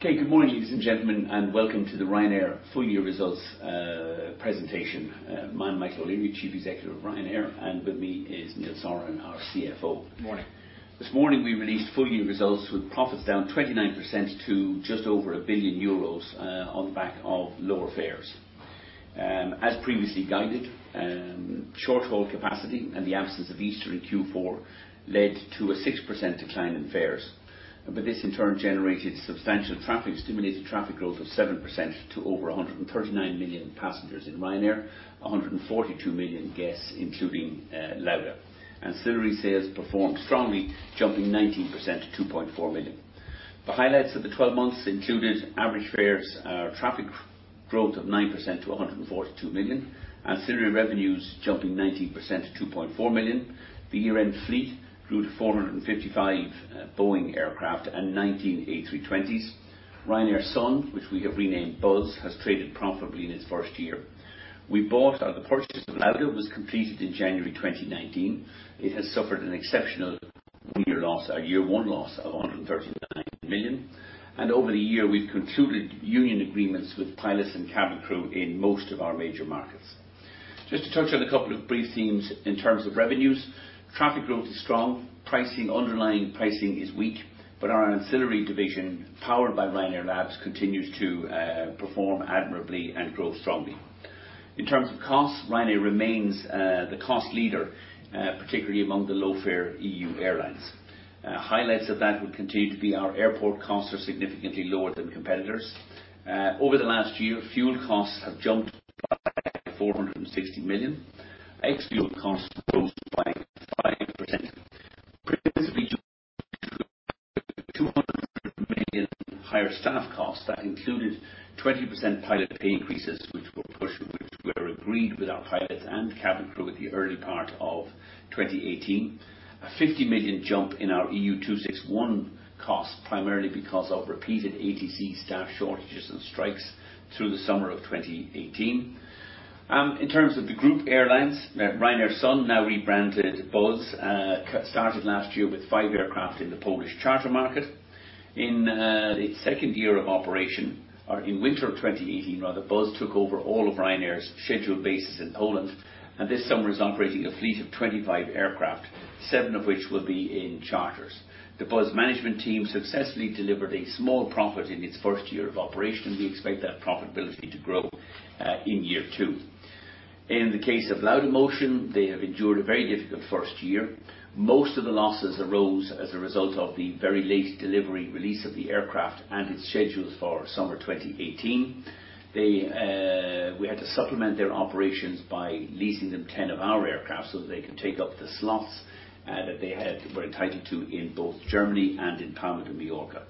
Okay. Good morning, ladies and gentlemen, and welcome to the Ryanair full-year results presentation. I'm Michael O'Leary, Chief Executive of Ryanair, and with me is Neil Sorahan, our CFO. Morning. This morning we released full-year results with profits down 29% to just over 1 billion euros, on the back of lower fares. As previously guided, short-haul capacity and the absence of Easter in Q4 led to a 6% decline in fares. This, in turn, generated substantial traffic, stimulated traffic growth of 7% to over 139 million passengers in Ryanair, 142 million guests, including Lauda. Ancillary sales performed strongly, jumping 19% to 2.4 billion. The highlights of the 12 months included average fares, our traffic growth of 7% to 142 million, ancillary revenues jumping 19% to 2.4 billion. The year-end fleet grew to 455 Boeing aircraft and 19 A320s. Ryanair Sun, which we have renamed Buzz, has traded profitably in its first year. The purchase of Lauda was completed in January 2019. It has suffered an exceptional year one loss of 139 million. Over the year, we've concluded union agreements with pilots and cabin crew in most of our major markets. Just to touch on a couple of brief themes in terms of revenues, traffic growth is strong, underlying pricing is weak, but our ancillary division, powered by Ryanair Labs, continues to perform admirably and grow strongly. In terms of costs, Ryanair remains the cost leader, particularly among the low-fare EU airlines. Highlights of that would continue to be our airport costs are significantly lower than competitors. Over the last year, fuel costs have jumped by 460 million. Ex-fuel costs rose by 5%. [inaudible] due to EUR 200 million higher staff costs. That included 20% pilot pay increases, which were agreed with our pilots and cabin crew at the early part of 2018. A 50 million jump in our EU261 cost, primarily because of repeated ATC staff shortages and strikes through the summer of 2018. In terms of the group airlines, Ryanair Sun, now rebranded Buzz, started last year with five aircraft in the Polish charter market. In its second year of operation, or in winter of 2018 rather, Buzz took over all of Ryanair's scheduled bases in Poland, and this summer is operating a fleet of 25 aircraft, seven of which will be in charters. The Buzz management team successfully delivered a small profit in its first year of operation. We expect that profitability to grow in year two. In the case of Laudamotion, they have endured a very difficult first year. Most of the losses arose as a result of the very late delivery, release of the aircraft and its schedules for summer 2018. We had to supplement their operations by leasing them 10 of our aircraft so that they could take up the slots that they were entitled to in both Germany and in Palma de Mallorca.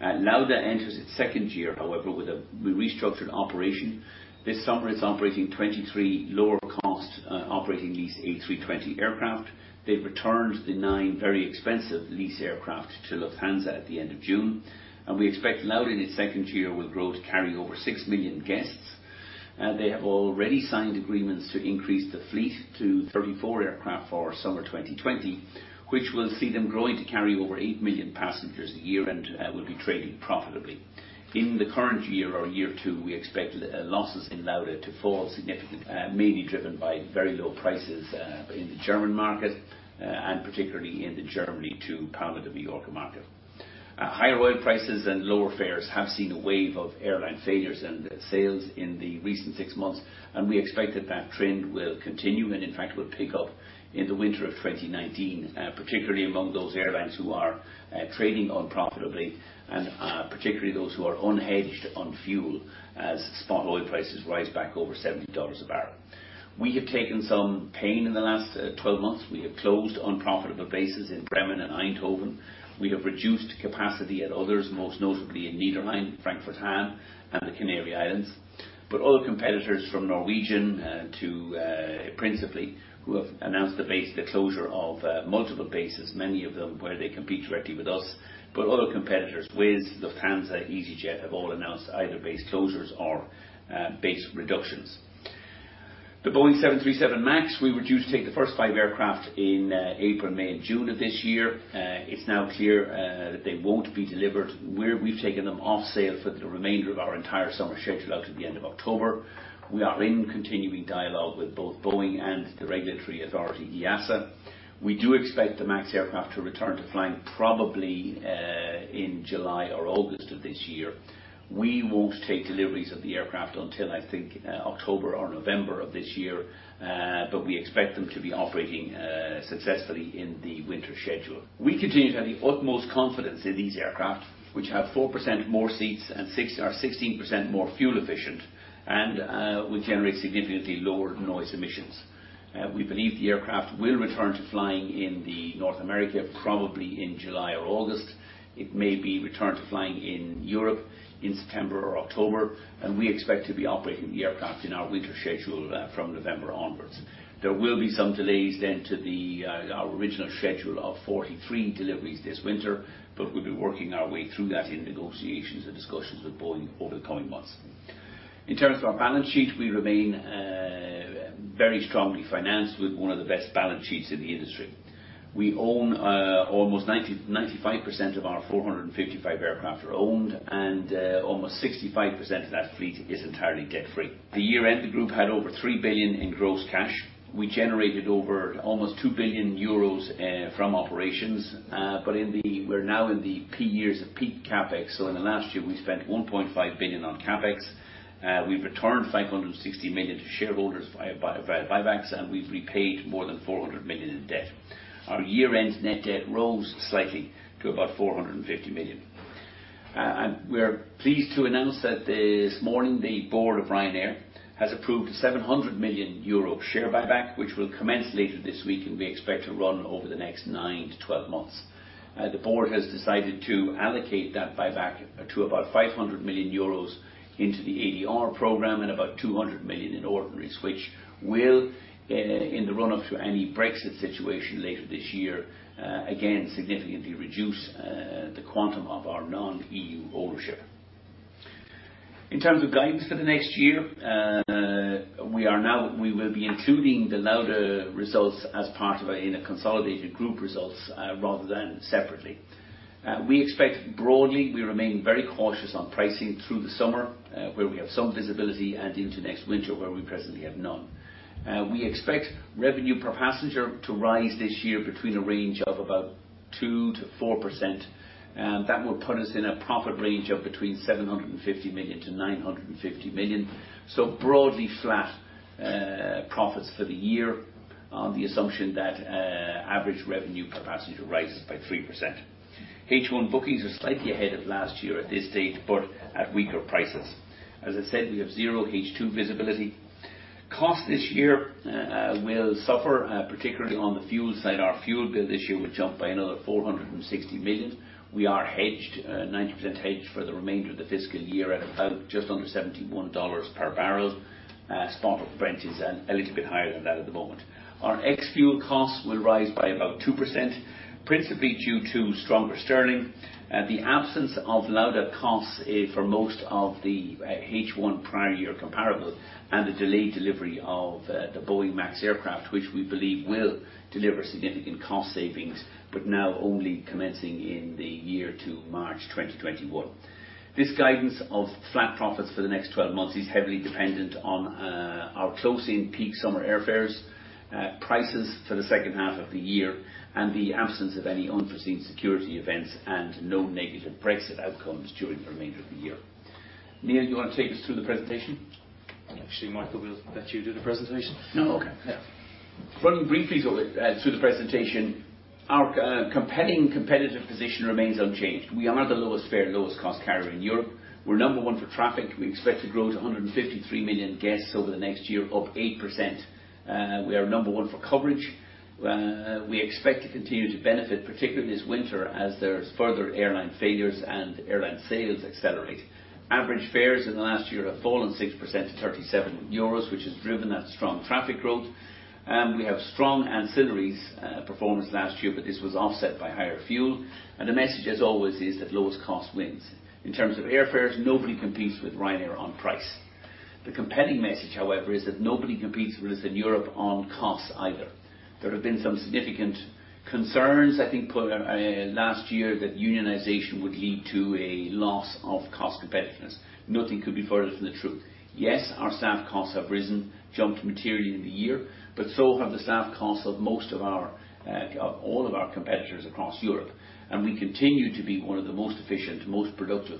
Lauda enters its second year, however, with a restructured operation. This summer, it's operating 23 lower cost operating lease A320 aircraft. They've returned the nine very expensive lease aircraft to Lufthansa at the end of June, and we expect Lauda in its second year, will grow to carry over six million guests. They have already signed agreements to increase the fleet to 35 aircraft for summer 2020, which will see them growing to carry over eight million passengers a year and will be trading profitably. In the current year or year two, we expect losses in Lauda to fall significantly, mainly driven by very low prices in the German market and particularly in the Germany to Palma de Mallorca market. Higher oil prices and lower fares have seen a wave of airline failures and sales in the recent 6 months. We expect that that trend will continue and in fact, will pick up in the winter of 2019, particularly among those airlines who are trading unprofitably and particularly those who are unhedged on fuel as spot oil prices rise back over $70 a barrel. We have taken some pain in the last 12 months. We have closed unprofitable bases in Bremen and Eindhoven. We have reduced capacity at others, most notably in Niederrhein, Frankfurt-Hahn, and the Canary Islands. Other competitors from Norwegian to Principally, who have announced the closure of multiple bases, many of them where they compete directly with us. Other competitors, Wizz, Lufthansa, easyJet, have all announced either base closures or base reductions. The Boeing 737 MAX, we were due to take the first five aircraft in April, May and June of this year. It's now clear that they won't be delivered, we've taken them off sale for the remainder of our entire summer schedule out to the end of October. We are in continuing dialogue with both Boeing and the regulatory authority, EASA. We do expect the MAX aircraft to return to flying probably in July or August of this year. We won't take deliveries of the aircraft until I think October or November of this year, but we expect them to be operating successfully in the winter schedule. We continue to have the utmost confidence in these aircraft, which have 4% more seats and are 16% more fuel efficient and will generate significantly lower noise emissions. We believe the aircraft will return to flying in the North America, probably in July or August. It may be returned to flying in Europe in September or October, and we expect to be operating the aircraft in our winter schedule from November onwards. There will be some delays to our original schedule of 43 deliveries this winter, but we'll be working our way through that in negotiations and discussions with Boeing over the coming months. In terms of our balance sheet, we remain very strongly financed with one of the best balance sheets in the industry. Almost 95% of our 455 aircraft are owned, and almost 65% of that fleet is entirely debt-free. At the year-end, the group had over 3 billion in gross cash. We generated over almost 2 billion euros from operations. We're now in the years of peak CapEx, so in the last year, we spent 1.5 billion on CapEx. We've returned 560 million to shareholders via buybacks, and we've repaid more than 400 million in debt. Our year-end net debt rose slightly to about 450 million. We are pleased to announce that this morning, the board of Ryanair has approved a 700 million euro share buyback, which will commence later this week, and we expect to run over the next 9-12 months. The board has decided to allocate that buyback to about 500 million euros into the ADR program and about 200 million in ordinaries, which will, in the run-up to any Brexit situation later this year, again, significantly reduce the quantum of our non-EU ownership. In terms of guidance for the next year, we will be including the Lauda results as part of our consolidated group results rather than separately. Broadly, we remain very cautious on pricing through the summer, where we have some visibility, and into next winter, where we presently have none. We expect revenue per passenger to rise this year between a range of about 2%-4%. That will put us in a profit range of between 750 million-950 million. Broadly flat profits for the year on the assumption that average revenue per passenger rises by 3%. H1 bookings are slightly ahead of last year at this date, but at weaker prices. As I said, we have zero H2 visibility. Costs this year will suffer, particularly on the fuel side. Our fuel bill this year will jump by another 460 million. We are hedged, 90% hedged for the remainder of the fiscal year at about just under $71 per barrel. Spot Brent Crude is a little bit higher than that at the moment. Our ex-fuel costs will rise by about 2%, principally due to stronger sterling. The absence of Lauda costs for most of the H1 prior year comparable and the delayed delivery of the Boeing Max aircraft, which we believe will deliver significant cost savings, but now only commencing in the year to March 2021. This guidance of flat profits for the next 12 months is heavily dependent on our closing peak summer airfares, prices for the second half of the year, and the absence of any unforeseen security events and no negative Brexit outcomes during the remainder of the year. Neil, you want to take us through the presentation? Actually, Michael, we'll let you do the presentation. No. Okay. Yeah. Running briefly through the presentation, our compelling competitive position remains unchanged. We are the lowest fare, lowest cost carrier in Europe. We're number one for traffic. We expect to grow to 153 million guests over the next year, up 8%. We are number one for coverage. We expect to continue to benefit, particularly this winter, as there's further airline failures and airline sales accelerate. Average fares in the last year have fallen 6% to 37 euros, which has driven that strong traffic growth. We have strong ancillaries performance last year, but this was offset by higher fuel. The message, as always, is that lowest cost wins. In terms of airfares, nobody competes with Ryanair on price. The compelling message, however, is that nobody competes with us in Europe on costs either. There have been some significant concerns, I think, last year that unionization would lead to a loss of cost competitiveness. Nothing could be further from the truth. Yes, our staff costs have risen, jumped materially in the year, but so have the staff costs of all of our competitors across Europe. We continue to be one of the most efficient, most productive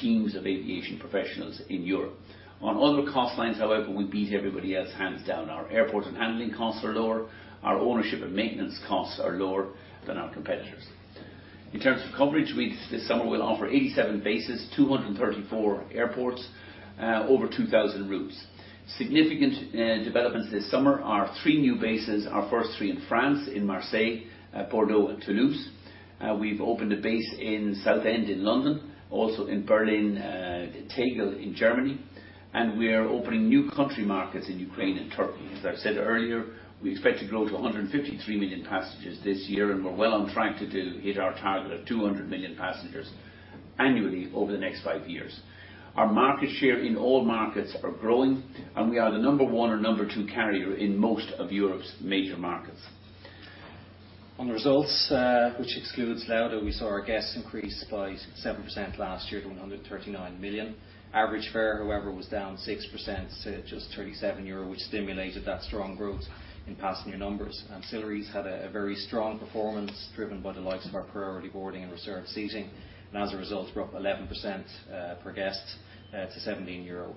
teams of aviation professionals in Europe. On other cost lines, however, we beat everybody else hands down. Our airport and handling costs are lower. Our ownership and maintenance costs are lower than our competitors. In terms of coverage, this summer we'll offer 87 bases, 234 airports, over 2,000 routes. Significant developments this summer are three new bases, our first three in France, in Marseille, Bordeaux, and Toulouse. We've opened a base in Southend in London, also in Berlin, Tegel in Germany. We are opening new country markets in Ukraine and Turkey. As I said earlier, we expect to grow to 153 million passengers this year, and we're well on track to hit our target of 200 million passengers annually over the next five years. Our market share in all markets are growing. We are the number 1 or number 2 carrier in most of Europe's major markets. On the results, which excludes Lauda, we saw our guests increase by 7% last year to 139 million. Average fare, however, was down 6% to just 37 euro, which stimulated that strong growth in passenger numbers. Ancillaries had a very strong performance driven by the likes of our priority boarding and reserved seating, as a result, were up 11% per guest to 17 euro.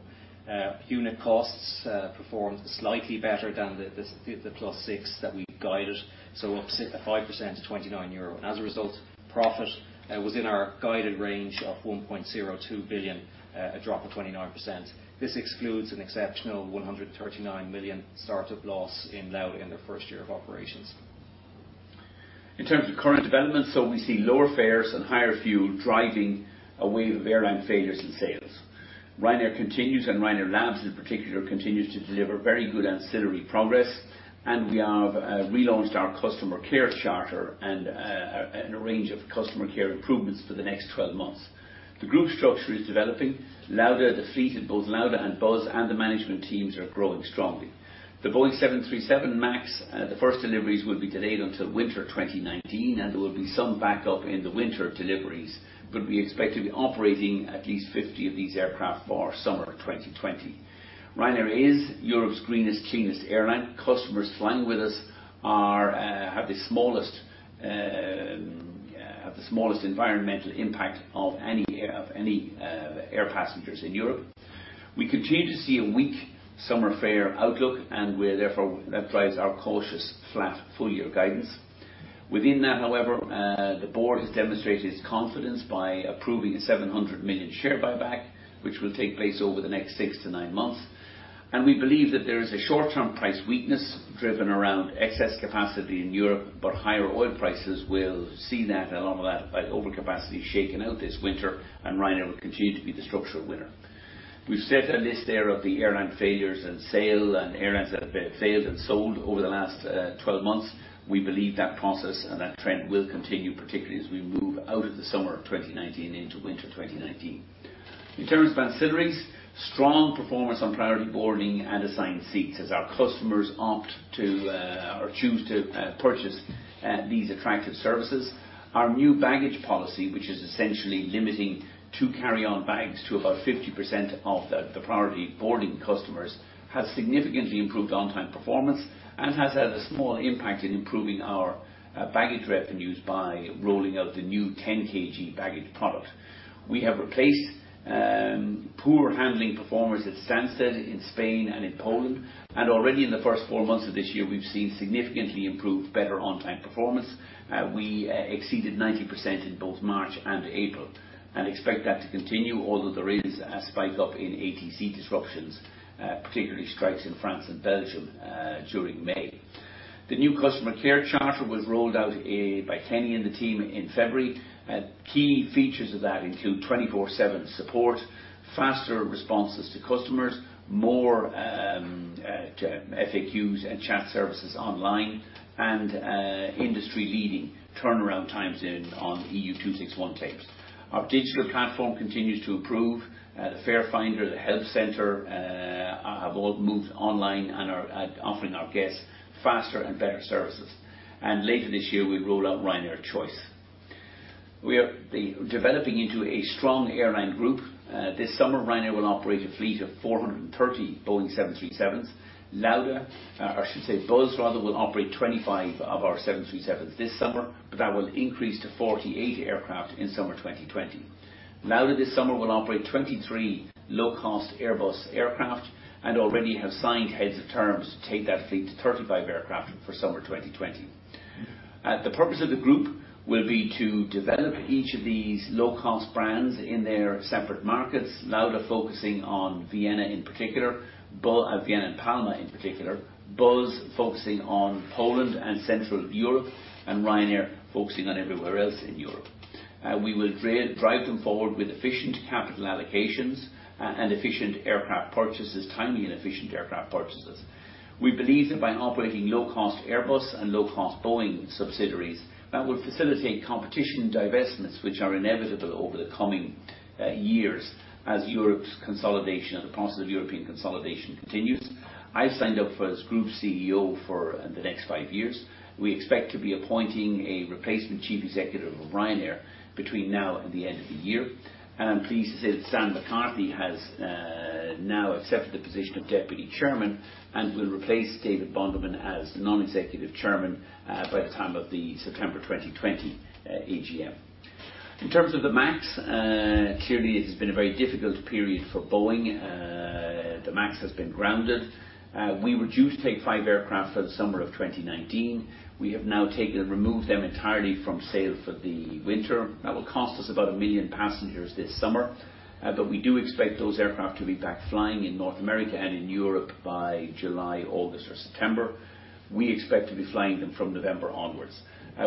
Unit costs performed slightly better than the plus six that we guided, so up 5% to 29 euro. As a result, profit was in our guided range of 1.02 billion, a drop of 29%. This excludes an exceptional 139 million startup loss in Lauda in their first year of operations. In terms of current developments, we see lower fares and higher fuel driving a wave of airline failures and sales. Ryanair continues, and Ryanair Labs in particular, continues to deliver very good ancillary progress. We have relaunched our customer care charter and a range of customer care improvements for the next 12 months. The group structure is developing. Lauda, the fleet at both Lauda and Buzz and the management teams are growing strongly. The Boeing 737 MAX, the first deliveries will be delayed until winter 2019, and there will be some backup in the winter deliveries, but we expect to be operating at least 50 of these aircraft for summer 2020. Ryanair is Europe's greenest, cleanest airline. Customers flying with us have the smallest environmental impact of any air passengers in Europe. We continue to see a weak summer fare outlook, therefore that drives our cautious flat full-year guidance. Within that, however, the board has demonstrated its confidence by approving a 700 million share buyback, which will take place over the next six to nine months. We believe that there is a short-term price weakness driven around excess capacity in Europe. Higher oil prices will see a lot of that overcapacity shaken out this winter, and Ryanair will continue to be the structural winner. We've set a list there of the airline failures and sale, airlines that have failed and sold over the last 12 months. We believe that process and that trend will continue, particularly as we move out of the summer of 2019 into winter 2019. In terms of ancillaries, strong performance on priority boarding and assigned seats as our customers opt to or choose to purchase these attractive services. Our new baggage policy, which is essentially limiting two carry-on bags to about 50% of the priority boarding customers, has significantly improved on-time performance and has had a small impact in improving our baggage revenues by rolling out the new 10 kg baggage product. We have replaced poor handling performers at Stansted, in Spain, and in Poland. Already in the first four months of this year, we've seen significantly improved, better on-time performance. We exceeded 90% in both March and April and expect that to continue, although there is a spike up in ATC disruptions, particularly strikes in France and Belgium during May. The new customer care charter was rolled out by Kenny and the team in February. Key features of that include 24/7 support, faster responses to customers, more FAQs and chat services online, and industry-leading turnaround times on EU261 claims. Our digital platform continues to improve. The Fare Finder, the Help Center have all moved online and are offering our guests faster and better services. Later this year, we roll out Ryanair Choice. We are developing into a strong airline group. This summer, Ryanair will operate a fleet of 430 Boeing 737s. Lauda, or I should say Buzz rather, will operate 25 of our 737s this summer, that will increase to 48 aircraft in summer 2020. Lauda this summer will operate 23 low-cost Airbus aircraft and already have signed heads of terms to take that fleet to 35 aircraft for summer 2020. The purpose of the group will be to develop each of these low-cost brands in their separate markets, Lauda focusing on Vienna in particular, Vienna and Palma in particular, Buzz focusing on Poland and Central Europe, and Ryanair focusing on everywhere else in Europe. We will drive them forward with efficient capital allocations and efficient aircraft purchases, timely and efficient aircraft purchases. We believe that by operating low-cost Airbus and low-cost Boeing subsidiaries, that will facilitate competition divestments, which are inevitable over the coming years as Europe's consolidation or the process of European consolidation continues. I've signed up as group CEO for the next five years. We expect to be appointing a replacement chief executive of Ryanair between now and the end of the year. I'm pleased to say that Stan McCarthy has now accepted the position of Deputy Chairman and will replace David Bonderman as the Non-Executive Chairman by the time of the September 2020 AGM. In terms of the MAX, clearly it has been a very difficult period for Boeing. The MAX has been grounded. We were due to take five aircraft for the summer of 2019. We have now taken and removed them entirely from sale for the winter. That will cost us about 1 million passengers this summer. But we do expect those aircraft to be back flying in North America and in Europe by July, August, or September. We expect to be flying them from November onwards.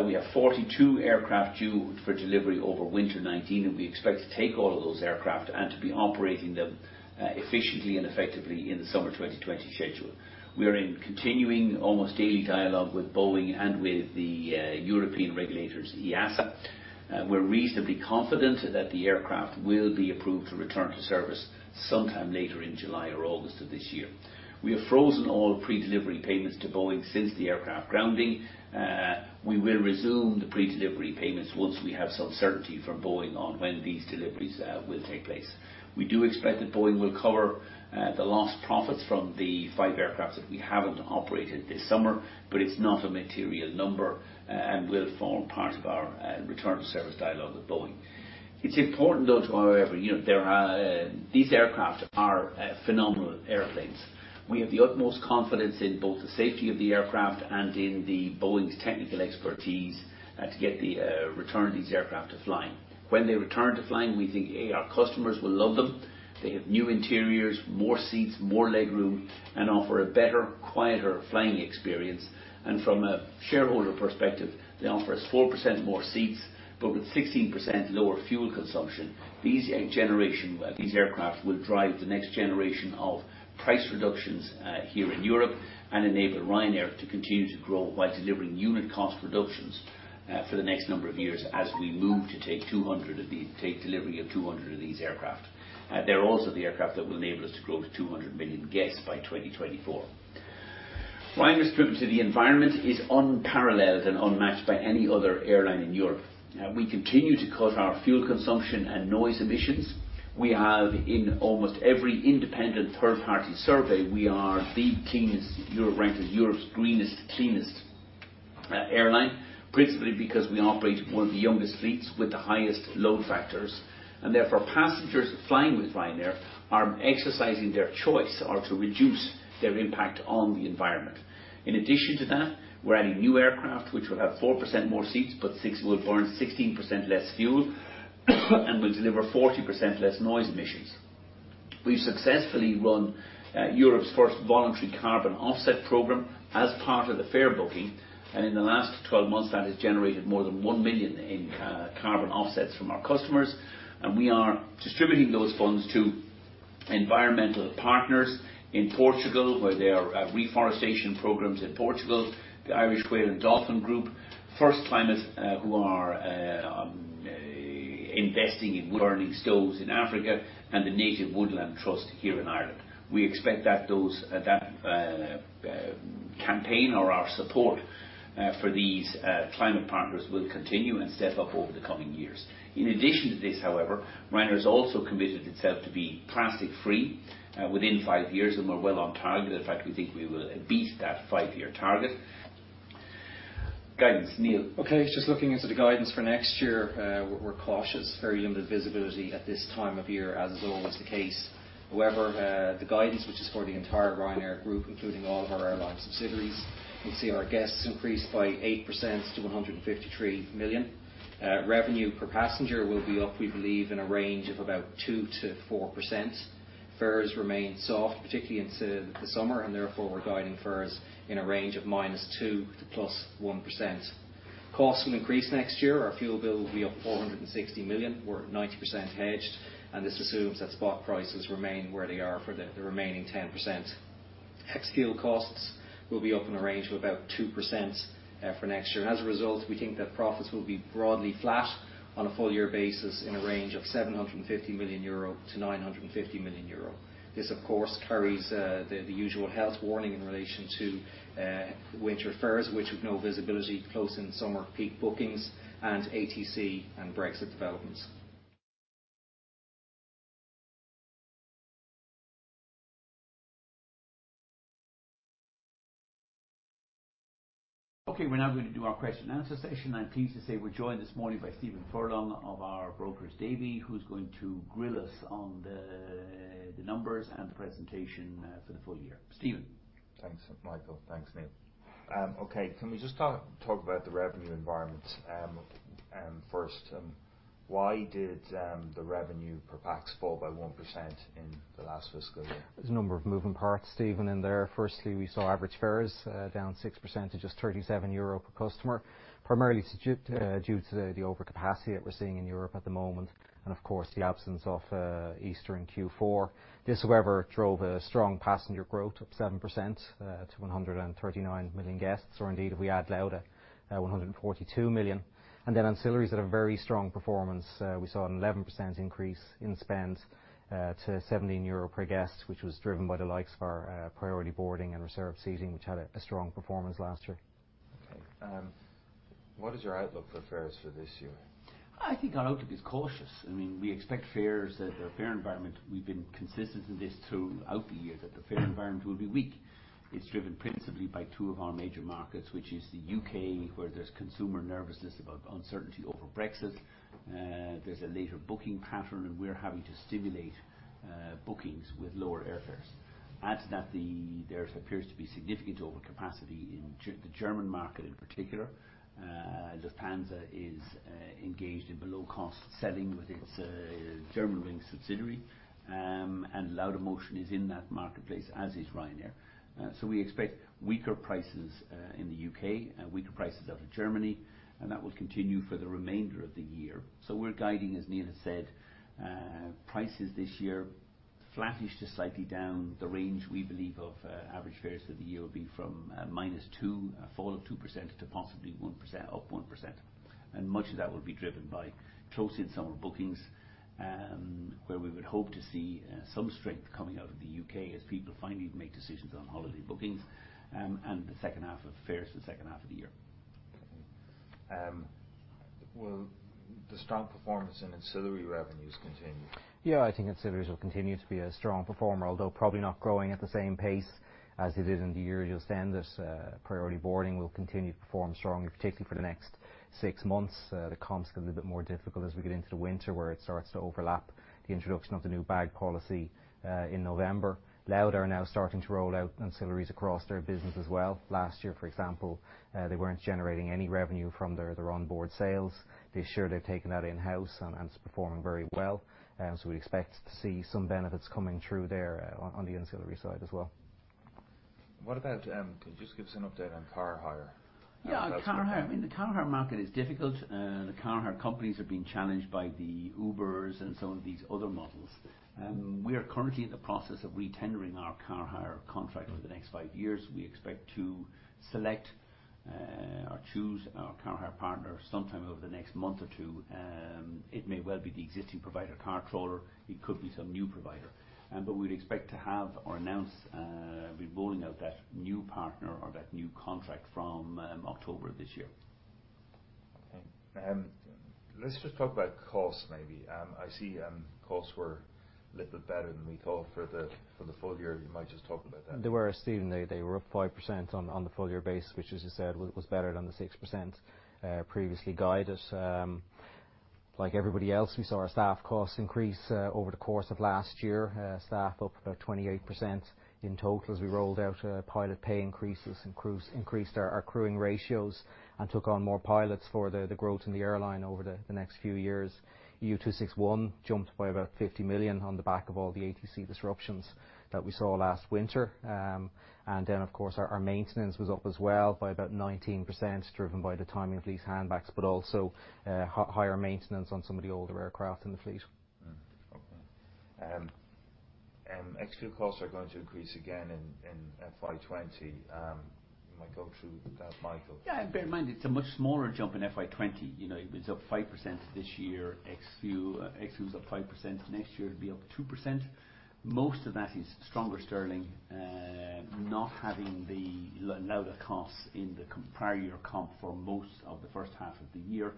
We have 42 aircraft due for delivery over winter 2019, and we expect to take all of those aircraft and to be operating them efficiently and effectively in the summer 2020 schedule. We are in continuing, almost daily dialogue with Boeing and with the European regulators, EASA. We're reasonably confident that the aircraft will be approved to return to service sometime later in July or August of this year. We have frozen all predelivery payments to Boeing since the aircraft grounding. We will resume the predelivery payments once we have some certainty from Boeing on when these deliveries will take place. We do expect that Boeing will cover the lost profits from the five aircraft that we haven't operated this summer, but it's not a material number and will form part of our return to service dialogue with Boeing. These aircraft are phenomenal airplanes. We have the utmost confidence in both the safety of the aircraft and in Boeing's technical expertise to get the return of these aircraft to flying. When they return to flying, we think our customers will love them. They have new interiors, more seats, more legroom, and offer a better, quieter flying experience. And from a shareholder perspective, they offer us 4% more seats, but with 16% lower fuel consumption. These aircraft will drive the next generation of price reductions here in Europe and enable Ryanair to continue to grow while delivering unit cost reductions for the next number of years as we move to take delivery of 200 of these aircraft. They're also the aircraft that will enable us to grow to 200 million guests by 2024. Ryanair's commitment to the environment is unparalleled and unmatched by any other airline in Europe. We continue to cut our fuel consumption and noise emissions. We have in almost every independent third-party survey, we are the cleanest. Ranked as Europe's greenest, cleanest airline, principally because we operate one of the youngest fleets with the highest load factors. And therefore, passengers flying with Ryanair are exercising their choice to reduce their impact on the environment. In addition to that, we're adding new aircraft, which will have 4% more seats, but will burn 16% less fuel and will deliver 40% less noise emissions. We've successfully run Europe's first voluntary carbon offset program as part of the fare booking, and in the last 12 months, that has generated more than 1 million in carbon offsets from our customers, and we are distributing those funds to environmental partners in Portugal, where there are reforestation programs in Portugal, the Irish Whale and Dolphin Group, First Climate, who are investing in wood-burning stoves in Africa, and the Native Woodland Trust here in Ireland. We expect that that campaign or our support for these climate partners will continue and step up over the coming years. In addition to this, however, Ryanair has also committed itself to be plastic-free within five years, and we're well on target. In fact, we think we will beat that five-year target. Guidance, Neil. Okay. Just looking into the guidance for next year. We're cautious. Very limited visibility at this time of year, as is always the case. However, the guidance, which is for the entire Ryanair Group, including all of our airline subsidiaries, we see our guests increase by 8% to 153 million. Revenue per passenger will be up, we believe, in a range of about 2%-4%. Fares remain soft, particularly into the summer, therefore we're guiding fares in a range of -2% to +1%. Costs will increase next year. Our fuel bill will be up 460 million. We're at 90% hedged, and this assumes that spot prices remain where they are for the remaining 10%. Ex-fuel costs will be up in a range of about 2% for next year. As a result, we think that profits will be broadly flat on a full-year basis in a range of 750 million-950 million euro. This, of course, carries the usual health warning in relation to winter fares, which we've no visibility, close in summer peak bookings and ATC and Brexit developments. Okay, we're now going to do our question and answer session. I'm pleased to say we're joined this morning by Stephen Furlong of our brokers Davy, who's going to grill us on the numbers and the presentation for the full year. Stephen. Thanks, Michael. Thanks, Neil. Can we just talk about the revenue environment first? Why did the revenue per pax fall by 1% in the last fiscal year? There's a number of moving parts, Stephen, in there. We saw average fares down 6% to just 37 euro per customer, primarily due to the overcapacity that we're seeing in Europe at the moment, and of course, the absence of Easter in Q4. This, however, drove a strong passenger growth of 7% to 139 million guests, or indeed if we add Lauda, 142 million. Ancillaries had a very strong performance. We saw an 11% increase in spend to 17 euro per guest, which was driven by the likes of our priority boarding and reserved seating, which had a strong performance last year. What is your outlook for fares for this year? I think our outlook is cautious. We expect the fare environment, we've been consistent in this throughout the year, that the fare environment will be weak. It's driven principally by two of our major markets, which is the U.K., where there's consumer nervousness about uncertainty over Brexit. There's a later booking pattern, and we're having to stimulate bookings with lower airfares. Add to that, there appears to be significant overcapacity in the German market in particular. Lufthansa is engaged in below-cost selling with its Germanwings subsidiary, and Laudamotion is in that marketplace, as is Ryanair. We expect weaker prices in the U.K. and weaker prices out of Germany, and that will continue for the remainder of the year. We're guiding, as Neil has said, prices this year flattish to slightly down. The range we believe of average fares for the year will be from a fall of 2% to possibly up 1%, and much of that will be driven by close in summer bookings, where we would hope to see some strength coming out of the U.K. as people finally make decisions on holiday bookings, and the second half of fares the second half of the year. Will the strong performance in ancillary revenues continue? Yeah, I think ancillaries will continue to be a strong performer, although probably not growing at the same pace as it is in the year just ended. Priority boarding will continue to perform strongly, particularly for the next six months. The comps get a little bit more difficult as we get into the winter, where it starts to overlap the introduction of the new bag policy in November. Lauda are now starting to roll out ancillaries across their business as well. Last year, for example, they weren't generating any revenue from their onboard sales. This year, they've taken that in-house, and it's performing very well. We expect to see some benefits coming through there on the ancillary side as well. Can you just give us an update on car hire? Yeah. Car hire. I mean, the car hire market is difficult. The car hire companies are being challenged by the Ubers and some of these other models. We are currently in the process of retendering our car hire contract over the next five years. We expect to select or choose our car hire partner sometime over the next month or two. It may well be the existing provider, CarTrawler, it could be some new provider. We'd expect to have or be rolling out that new partner or that new contract from October of this year. Okay. Let's just talk about costs, maybe. I see costs were a little bit better than we thought for the full year. You might just talk about that. They were, Stephen. They were up 5% on the full-year base, which, as you said, was better than the 6% previously guided. Like everybody else, we saw our staff costs increase over the course of last year. Staff up about 28% in total as we rolled out pilot pay increases, increased our crewing ratios, and took on more pilots for the growth in the airline over the next few years. EU261 jumped by about 50 million on the back of all the ATC disruptions that we saw last winter. Of course, our maintenance was up as well by about 19%, driven by the timing of these handbacks, but also higher maintenance on some of the older aircraft in the fleet. Okay. Extra costs are going to increase again in FY 2020. You might go through that, Michael. Yeah. Bear in mind, it's a much smaller jump in FY 2020. It was up 5% this year, ex-fuel. Ex-fuel was up 5%. Next year, it'll be up 2%. Most of that is stronger sterling, not having the Lauda costs in the prior year comp for most of the first half of the year,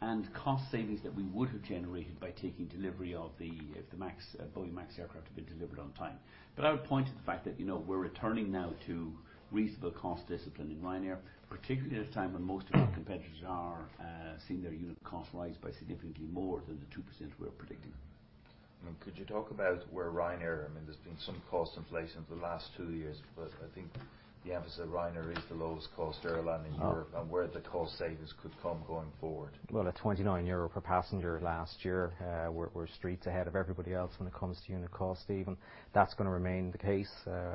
and cost savings that we would have generated by taking delivery of the, if the Boeing MAX aircraft had been delivered on time. I would point to the fact that we're returning now to reasonable cost discipline in Ryanair, particularly at a time when most of our competitors are seeing their unit cost rise by significantly more than the 2% we're predicting. Could you talk about where Ryanair, I mean, there's been some cost inflation for the last two years. I think the emphasis of Ryanair is the lowest cost airline in Europe and where the cost savings could come going forward. At 29 euro per passenger last year. We're streets ahead of everybody else when it comes to unit cost, Stephen. That's going to remain the case.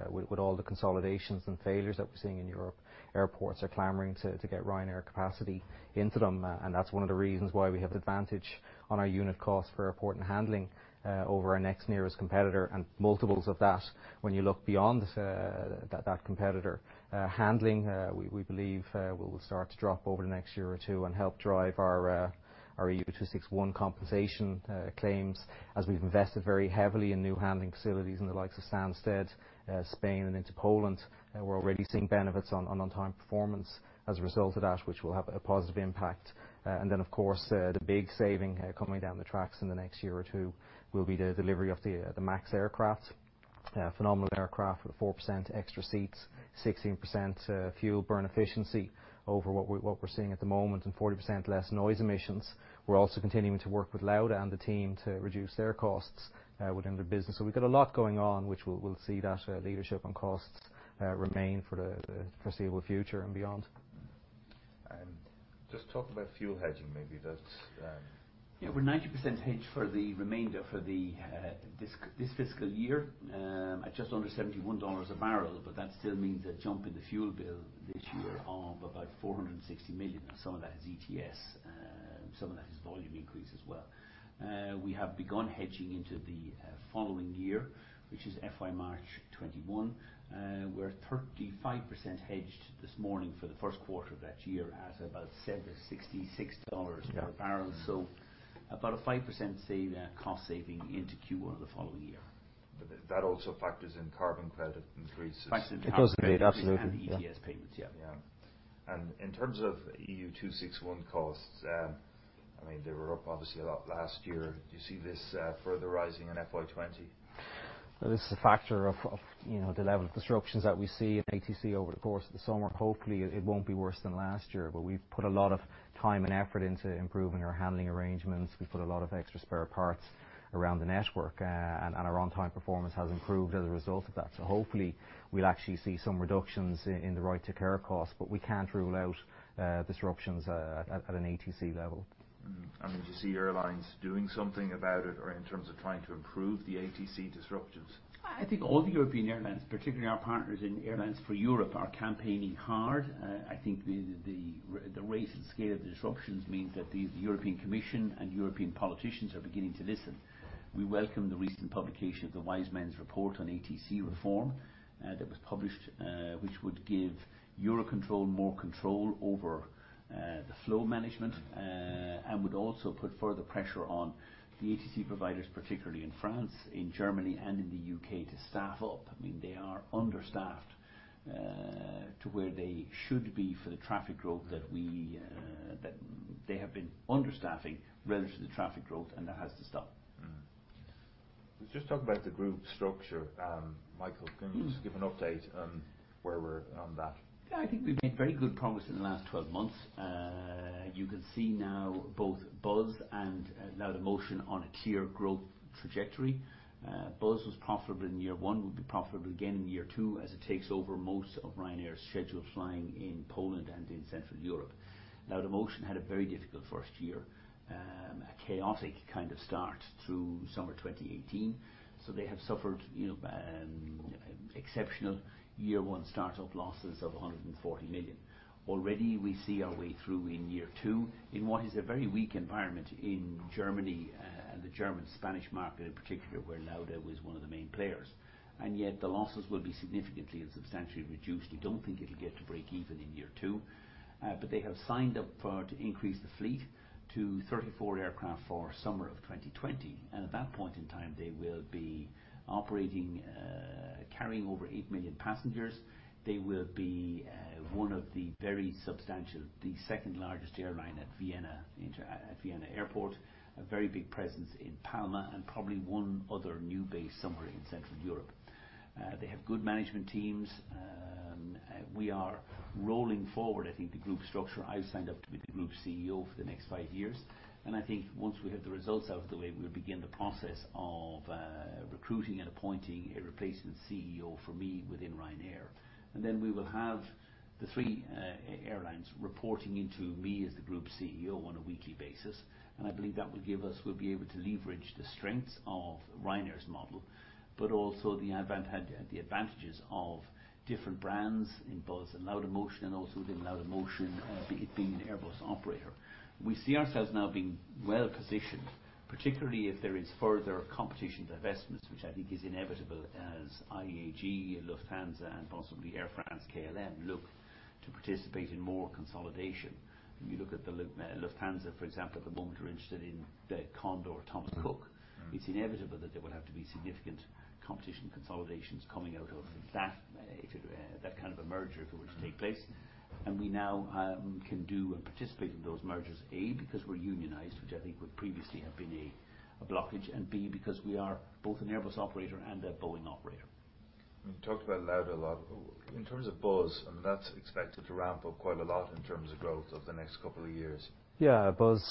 With all the consolidations and failures that we're seeing in Europe, airports are clamoring to get Ryanair capacity into them, and that's one of the reasons why we have advantage on our unit cost for airport and handling over our next nearest competitor, and multiples of that when you look beyond that competitor. Handling, we believe will start to drop over the next year or two and help drive our EU261 compensation claims as we've invested very heavily in new handling facilities in the likes of Stansted, Spain, and into Poland. We're already seeing benefits on on-time performance as a result of that, which will have a positive impact. Of course, the big saving coming down the tracks in the next year or two will be the delivery of the MAX aircraft. Phenomenal aircraft with a 4% extra seats, 16% fuel burn efficiency over what we're seeing at the moment, and 40% less noise emissions. We're also continuing to work with Lauda and the team to reduce their costs within their business. We've got a lot going on, which we'll see that leadership on costs remain for the foreseeable future and beyond. Just talk about fuel hedging. Yeah. We're 90% hedged for the remainder for this fiscal year at just under $71 a barrel. That still means a jump in the fuel bill this year of about 460 million. Some of that is ETS, some of that is volume increase as well. We have begun hedging into the following year, which is FY March 2021. We're 35% hedged this morning for the first quarter of that year at about $766 per barrel. About a 5% cost saving into Q1 of the following year. That also factors in carbon credit increases. Factors in carbon credit increases. It does, absolutely. Yeah. ETS payments. Yeah. Yeah. In terms of EU261 costs, they were up obviously a lot last year. Do you see this further rising in FY 2020? This is a factor of the level of disruptions that we see in ATC over the course of the summer. Hopefully, it won't be worse than last year, but we've put a lot of time and effort into improving our handling arrangements. We put a lot of extra spare parts around the network, and our on-time performance has improved as a result of that. Hopefully we'll actually see some reductions in the right-to-care costs, but we can't rule out disruptions at an ATC level. Do you see airlines doing something about it or in terms of trying to improve the ATC disruptions? I think all the European airlines, particularly our partners in Airlines for Europe, are campaigning hard. I think the recent scale of the disruptions means that the European Commission and European politicians are beginning to listen. We welcome the recent publication of the Wise Men's report on ATC reform that was published which would give Eurocontrol more control over the flow management. Would also put further pressure on the ATC providers, particularly in France, in Germany, and in the U.K., to staff up. They are under-staffed to where they should be for the traffic growth. They have been under-staffing relative to the traffic growth, and that has to stop. Let's just talk about the group structure. Michael, can you just give an update on where we're on that? I think we've made very good progress in the last 12 months. You can see now both Buzz and Laudamotion on a clear growth trajectory. Buzz was profitable in year one, will be profitable again in year two as it takes over most of Ryanair's scheduled flying in Poland and in Central Europe. Laudamotion had a very difficult first year. A chaotic kind of start through summer 2018. They have suffered exceptional year one start-up losses of 140 million. Already we see our way through in year two, in what is a very weak environment in Germany, and the German Spanish market in particular, where Lauda was one of the main players. Yet the losses will be significantly and substantially reduced. We don't think it'll get to break even in year two. They have signed up to increase the fleet to 34 aircraft for summer of 2020. At that point in time, they will be operating, carrying over eight million passengers. They will be one of the very substantial, the second largest airline at Vienna Airport. A very big presence in Palma, and probably one other new base somewhere in Central Europe. They have good management teams. We are rolling forward, I think, the group structure. I've signed up to be the group CEO for the next five years. I think once we have the results out of the way, we'll begin the process of recruiting and appointing a replacement CEO for me within Ryanair. Then we will have the three airlines reporting into me as the group CEO on a weekly basis. I believe that will give us, we'll be able to leverage the strengths of Ryanair's model, but also the advantages of different brands in Buzz and Laudamotion, and also within Laudamotion, it being an Airbus operator. We see ourselves now being well positioned, particularly if there is further competition divestments, which I think is inevitable as IAG, Lufthansa, and possibly Air France-KLM look to participate in more consolidation. When you look at the Lufthansa, for example, at the moment are interested in Condor, Thomas Cook. It's inevitable that there will have to be significant competition consolidations coming out of that kind of a merger if it were to take place. We now can do and participate in those mergers, A, because we're unionized, which I think would previously have been a blockage, and B, because we are both an Airbus operator and a Boeing operator. You talked about Lauda a lot. In terms of Buzz, that's expected to ramp up quite a lot in terms of growth over the next couple of years. Yeah. Buzz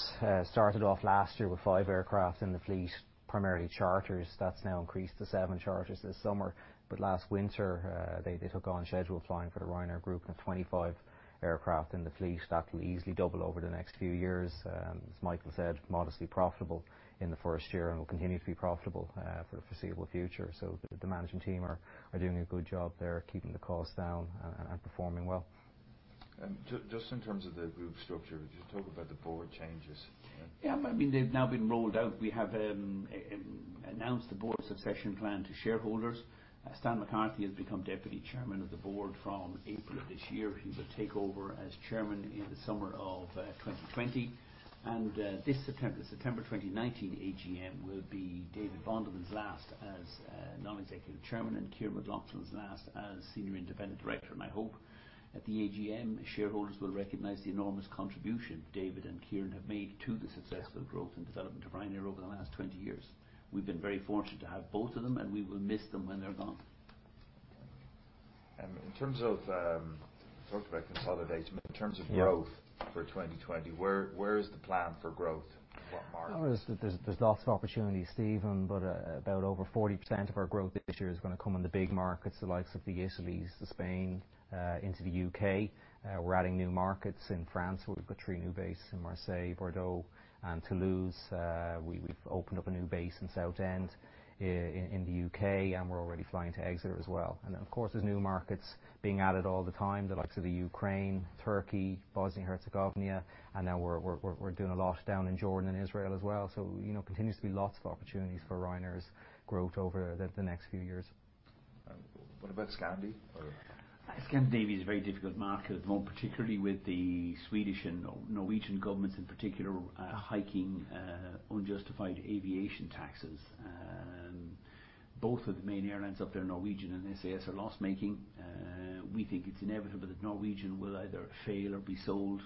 started off last year with five aircraft in the fleet, primarily charters. That's now increased to seven charters this summer. Last winter, they took on scheduled flying for the Ryanair Group and have 25 aircraft in the fleet. That will easily double over the next few years. As Michael said, modestly profitable in the first year and will continue to be profitable for the foreseeable future. The management team are doing a good job there keeping the costs down and performing well. Just in terms of the group structure, just talk about the board changes. Yeah. They've now been rolled out. We have announced the board succession plan to shareholders. Stan McCarthy has become deputy chairman of the board from April of this year. He will take over as chairman in the summer of 2020. This September 2019 AGM will be David Bonderman's last as non-executive chairman and Kyran McLaughlin's last as senior independent director, and I hope at the AGM, shareholders will recognize the enormous contribution David and Kyran have made to the successful growth and development of Ryanair over the last 20 years. We've been very fortunate to have both of them, and we will miss them when they're gone. In terms of, talked about consolidation, but in terms of growth for 2020, where is the plan for growth? In what market? There's lots of opportunities, Stephen, but about over 40% of our growth this year is going to come in the big markets, the likes of the Italys, the Spain, into the U.K. We're adding new markets in France. We've got three new bases in Marseille, Bordeaux, and Toulouse. We've opened up a new base in Southend in the U.K., and we're already flying to Exeter as well. Of course, there's new markets being added all the time, the likes of the Ukraine, Turkey, Bosnia-Herzegovina, and now we're doing a lot down in Jordan and Israel as well. Continues to be lots of opportunities for Ryanair's growth over the next few years. What about Scandinavia? Scandinavian is a very difficult market at the moment, particularly with the Swedish and Norwegian governments in particular hiking unjustified aviation taxes. Both of the main airlines up there, Norwegian and SAS, are loss-making. We think it's inevitable that Norwegian will either fail or be sold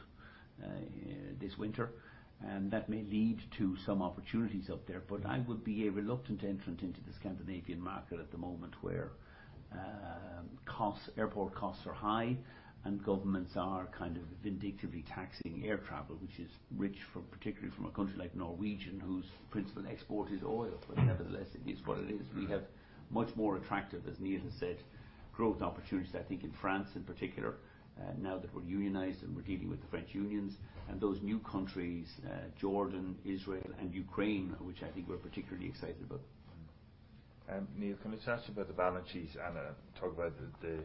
this winter. That may lead to some opportunities up there. I would be a reluctant entrant into the Scandinavian market at the moment, where airport costs are high and governments are kind of vindictively taxing air travel, which is rich particularly from a country like Norway, whose principal export is oil. Nevertheless, it is what it is. We have much more attractive, as Neil has said, growth opportunities, I think, in France in particular, now that we're unionized and we're dealing with the French unions. Those new countries, Jordan, Israel, and Ukraine, which I think we're particularly excited about. Neil, can we chat about the balance sheets and talk about the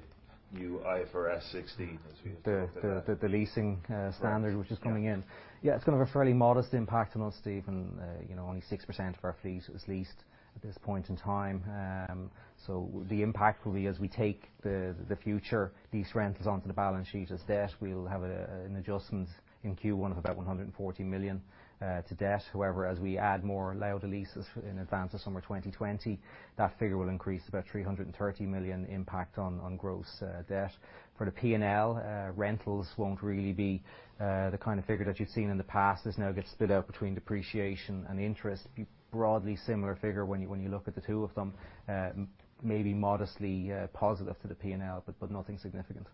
new IFRS 16, as we have talked about. The leasing standard which is coming in. Right. Yeah. Yeah, it's going to have a fairly modest impact on us, Stephen. Only 6% of our fleet was leased at this point in time. The impact will be as we take the future lease rentals onto the balance sheet as debt, we'll have an adjustment in Q1 of about 140 million to debt. However, as we add more Lauda leases in advance of summer 2020, that figure will increase. About 330 million impact on gross debt. For the P&L, rentals won't really be the kind of figure that you've seen in the past. This now gets split up between depreciation and interest. It will be a broadly similar figure when you look at the two of them. Maybe modestly positive for the P&L, but nothing significant.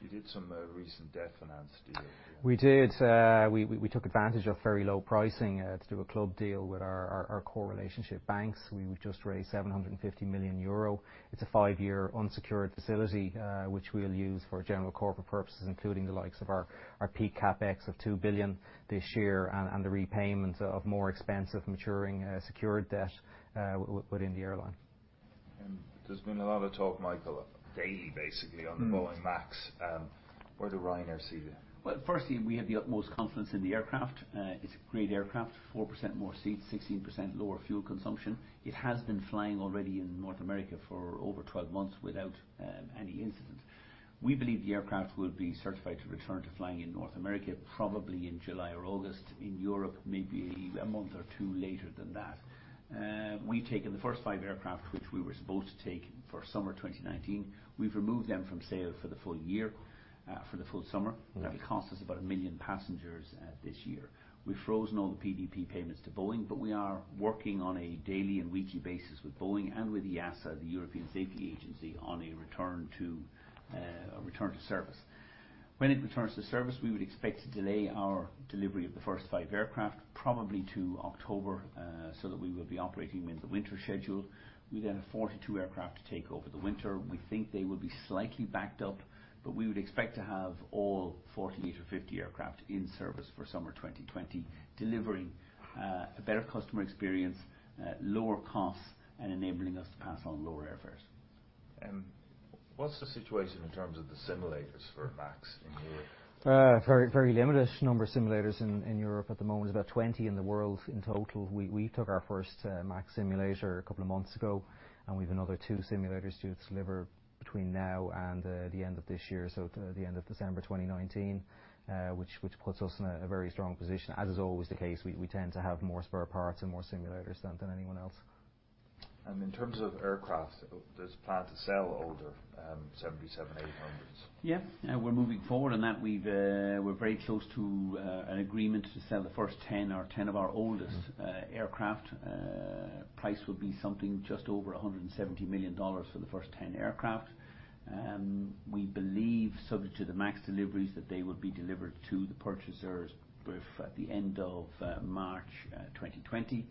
You did some recent debt finance deal. Yeah. We did. We took advantage of very low pricing to do a club deal with our core relationship banks. We just raised 750 million euro. It's a five-year unsecured facility, which we'll use for general corporate purposes, including the likes of our peak CapEx of 2 billion this year, and the repayment of more expensive maturing secured debt within the airline. There's been a lot of talk, Michael, daily, basically, on the Boeing 737 MAX. Where do Ryanair see it? Well, firstly, we have the utmost confidence in the aircraft. It's a great aircraft, 4% more seats, 16% lower fuel consumption. It has been flying already in North America for over 12 months without any incident. We believe the aircraft will be certified to return to flying in North America, probably in July or August. In Europe, maybe a month or two later than that. We've taken the first five aircraft, which we were supposed to take for summer 2019. We've removed them from sale for the full year, for the full summer. That'll cost us about a million passengers this year. We've frozen all the PDP payments to Boeing. We are working on a daily and weekly basis with Boeing and with EASA, the European Safety Agency, on a return to service. When it returns to service, we would expect to delay our delivery of the first five aircraft probably to October, so that we will be operating them in the winter schedule. We have 42 aircraft to take over the winter. We think they will be slightly backed up. We would expect to have all 48 or 50 aircraft in service for summer 2020, delivering a better customer experience, lower costs, and enabling us to pass on lower airfares. What's the situation in terms of the simulators for MAX in Europe? Very limited number of simulators in Europe at the moment. There's about 20 in the world in total. We took our first MAX simulator a couple of months ago, and we've another two simulators due to deliver between now and the end of this year, so the end of December 2019. Which puts us in a very strong position. As is always the case, we tend to have more spare parts and more simulators than anyone else. In terms of aircraft, there's a plan to sell older 737-800s. Yeah. We're moving forward on that. We're very close to an agreement to sell the first 10 or 10 of our oldest aircraft. Price would be something just over EUR 170 million for the first 10 aircraft. We believe, subject to the MAX deliveries, that they would be delivered to the purchasers both at the end of March 2020.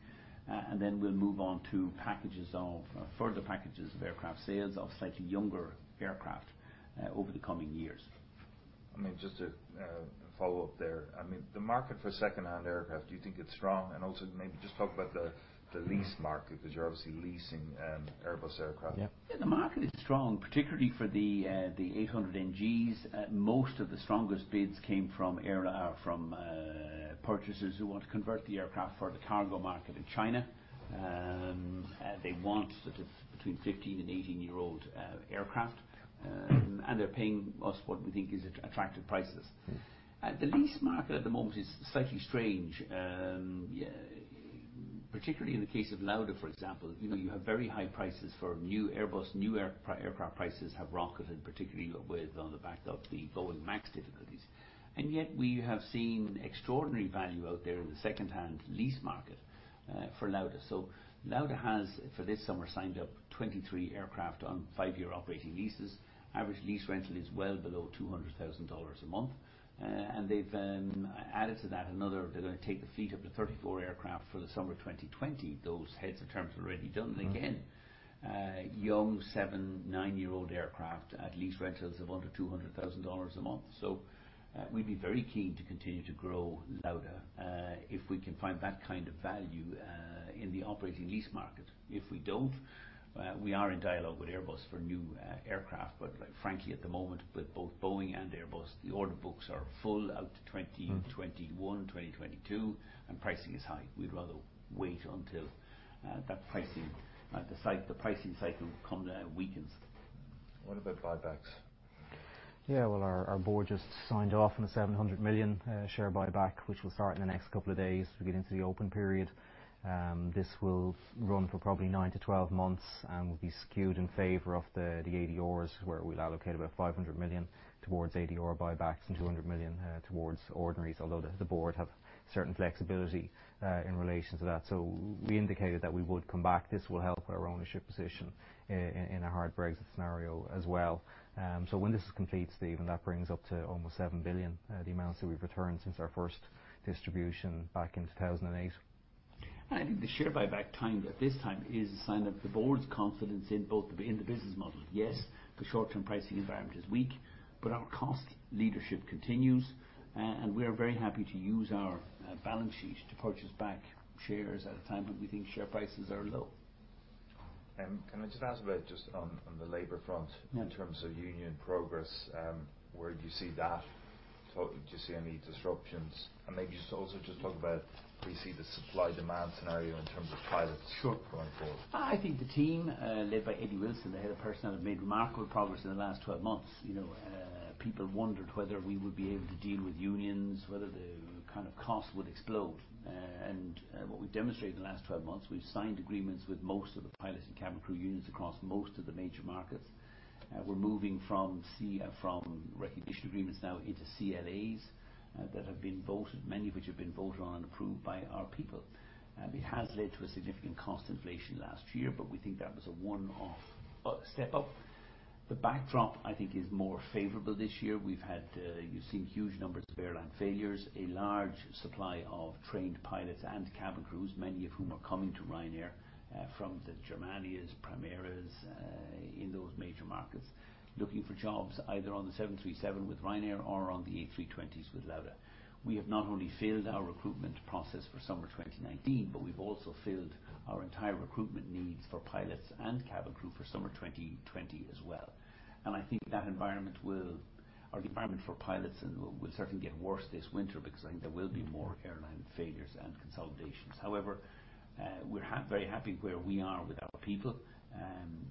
Then we'll move on to further packages of aircraft sales of slightly younger aircraft over the coming years. Just to follow up there. The market for secondhand aircraft, do you think it's strong? Also, maybe just talk about the lease market, because you're obviously leasing Airbus aircraft. Yeah. The market is strong, particularly for the 800NGs. Most of the strongest bids came from purchasers who want to convert the aircraft for the cargo market in China. They want sort of between 15 and 18-year-old aircraft, and they're paying us what we think is attractive prices. The lease market at the moment is slightly strange. Particularly in the case of Lauda, for example. You have very high prices for new Airbus. New aircraft prices have rocketed, particularly on the back of the Boeing MAX difficulties. Yet we have seen extraordinary value out there in the secondhand lease market for Lauda. Lauda has, for this summer, signed up 23 aircraft on five-year operating leases. Average lease rental is well below EUR 200,000 a month. They've then added to that. They're going to take the fleet up to 34 aircraft for the summer 2020. Those heads of terms are already done. Again, young seven, nine-year-old aircraft at lease rentals of under EUR 200,000 a month. We'd be very keen to continue to grow Lauda, if we can find that kind of value in the operating lease market. If we don't, we are in dialogue with Airbus for new aircraft. Frankly, at the moment, with both Boeing and Airbus, the order books are full out to 2021, 2022, pricing is high. We'd rather wait until the pricing cycle weakens. What about buybacks? Well, our board just signed off on a 700 million share buyback, which will start in the next couple of days as we get into the open period. This will run for probably 9 to 12 months and will be skewed in favor of the ADRs, where we'll allocate about 500 million towards ADR buybacks and 200 million towards ordinaries. The board have certain flexibility in relation to that. We indicated that we would come back. This will help our ownership position in a hard Brexit scenario as well. When this is complete, Stephen, that brings up to almost 7 billion, the amounts that we've returned since our first distribution back in 2008. I think the share buyback at this time is a sign of the board's confidence in both the business model. Yes, the short-term pricing environment is weak, but our cost leadership continues, and we are very happy to use our balance sheet to purchase back shares at a time when we think share prices are low. Can I just ask about on the labor front Yeah in terms of union progress, where do you see that? Do you see any disruptions? Maybe just also talk about how you see the supply-demand scenario in terms of pilots Sure going forward. I think the team, led by Eddie Wilson, the Head of Personnel, have made remarkable progress in the last 12 months. People wondered whether we would be able to deal with unions, whether the kind of cost would explode. What we've demonstrated in the last 12 months, we've signed agreements with most of the pilots and cabin crew unions across most of the major markets. We're moving from recognition agreements now into CLAs that have been voted, many of which have been voted on and approved by our people. It has led to a significant cost inflation last year, but we think that was a one-off step up. The backdrop, I think, is more favorable this year. You've seen huge numbers of airline failures, a large supply of trained pilots and cabin crews, many of whom are coming to Ryanair from the Germanias, Primeras, in those major markets. Looking for jobs either on the 737 with Ryanair or on the A320s with Laudamotion. We have not only filled our recruitment process for summer 2019, but we've also filled our entire recruitment needs for pilots and cabin crew for summer 2020 as well. I think that environment or the environment for pilots will certainly get worse this winter because I think there will be more airline failures and consolidations. However, we're very happy where we are with our people.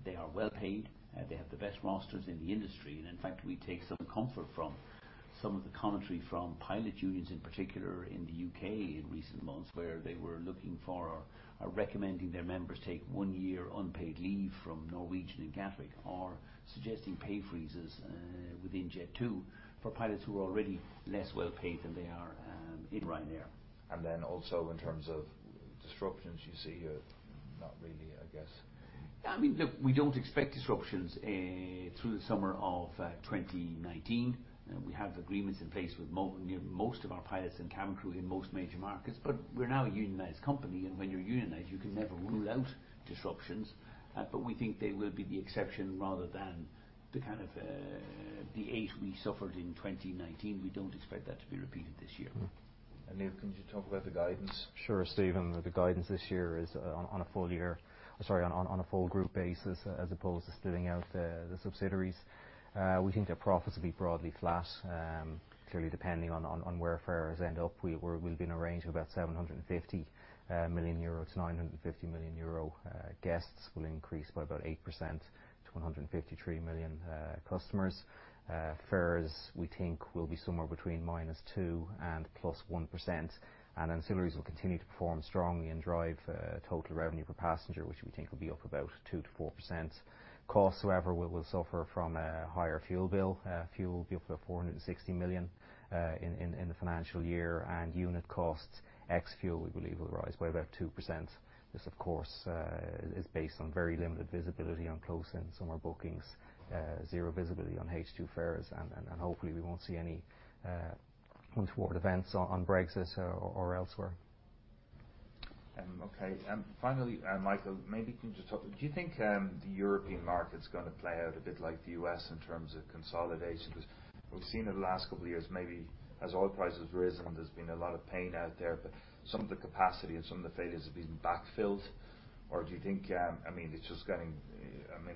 They are well-paid. They have the best rosters in the industry. In fact, we take some comfort from some of the commentary from pilot unions in particular in the U.K. in recent months, where they were looking for or recommending their members take one year unpaid leave from Norwegian and Gatwick, or suggesting pay freezes within Jet2 for pilots who are already less well-paid than they are in Ryanair. Also in terms of disruptions you see here, not really, I guess. Look, we don't expect disruptions through the summer of 2019. We have agreements in place with most of our pilots and cabin crew in most major markets. We're now a unionized company, and when you're unionized, you can never rule out disruptions. We think they will be the exception rather than the kind of the eight we suffered in 2019. We don't expect that to be repeated this year. Neil, can you talk about the guidance? Sure, Stephen. The guidance this year is on a full year. Sorry, on a full group basis as opposed to splitting out the subsidiaries. We think that profits will be broadly flat. Clearly depending on where fares end up, we'll be in a range of about 750 million-950 million euro. Guests will increase by about 8% to 153 million customers. Fares, we think, will be somewhere between minus 2% and plus 1%. Ancillaries will continue to perform strongly and drive total revenue per passenger, which we think will be up about 2%-4%. Costs, however, will suffer from a higher fuel bill. Fuel will be up to 460 million in the financial year. Unit costs, ex-fuel, we believe will rise by about 2%. This, of course, is based on very limited visibility on close-in summer bookings, zero visibility on H2 fares. Hopefully we won't see any untoward events on Brexit or elsewhere. Okay. Finally, Michael, maybe can you just talk, do you think the European market's going to play out a bit like the U.S. in terms of consolidation? Because we've seen over the last couple of years, maybe as oil prices have risen, there's been a lot of pain out there, but some of the capacity and some of the failures have been backfilled. Do you think,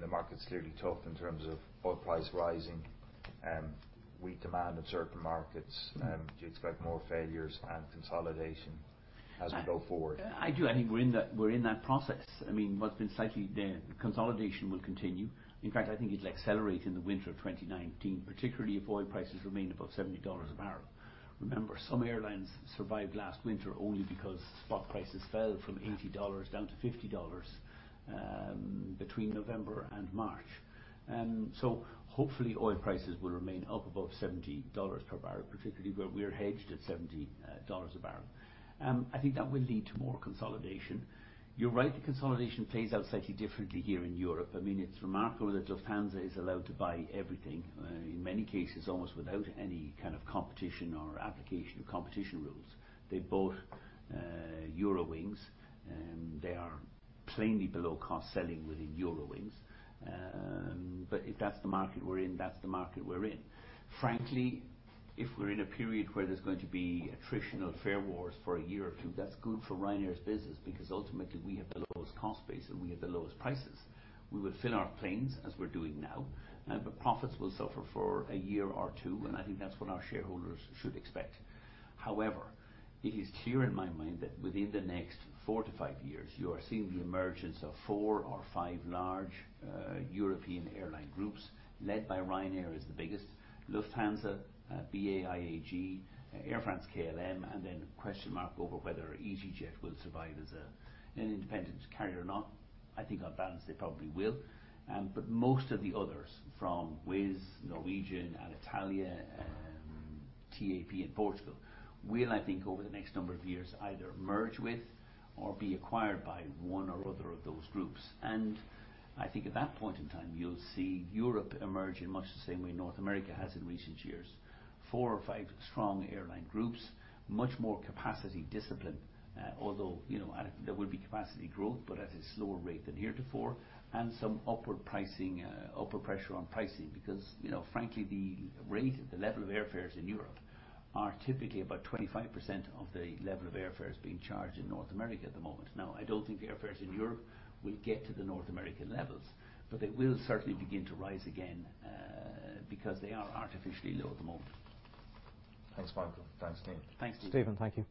the market's clearly tough in terms of oil price rising. We demand in certain markets, do you expect more failures and consolidation as we go forward? I do. I think we're in that process. What's been slightly there, consolidation will continue. In fact, I think it'll accelerate in the winter of 2019, particularly if oil prices remain above $70 a barrel. Remember, some airlines survived last winter only because spot prices fell from $80 down to $50 between November and March. Hopefully oil prices will remain up above $70 per barrel, particularly where we're hedged at $70 a barrel. I think that will lead to more consolidation. You're right, the consolidation plays out slightly differently here in Europe. It's remarkable that Lufthansa is allowed to buy everything, in many cases almost without any kind of competition or application of competition rules. They bought Eurowings, and they are plainly below cost selling within Eurowings. If that's the market we're in, that's the market we're in. Frankly, if we're in a period where there's going to be attritional fare wars for a year or two, that's good for Ryanair's business because ultimately we have the lowest cost base, and we have the lowest prices. We will fill our planes as we're doing now, profits will suffer for a year or two, I think that's what our shareholders should expect. However, it is clear in my mind that within the next four to five years, you are seeing the emergence of four or five large European airline groups led by Ryanair as the biggest, Lufthansa, BA-IAG, Air France-KLM, a question mark over whether EasyJet will survive as an independent carrier or not. I think on balance, they probably will. Most of the others, from Wizz, Norwegian, Alitalia, TAP in Portugal, will, I think over the next number of years, either merge with or be acquired by one or other of those groups. I think at that point in time, you'll see Europe emerge in much the same way North America has in recent years. Four or five strong airline groups, much more capacity discipline. There will be capacity growth, but at a slower rate than heretofore, and some upward pricing, upward pressure on pricing. Frankly, the rate at the level of airfares in Europe are typically about 25% of the level of airfares being charged in North America at the moment. I don't think airfares in Europe will get to the North American levels, they will certainly begin to rise again, they are artificially low at the moment. Thanks, Michael. Thanks, Neil. Thanks. Stephen, thank you.